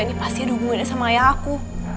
ini pasti ada hubungannya sama ayah aku